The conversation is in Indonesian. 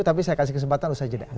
tapi saya kasih kesempatan usah jenak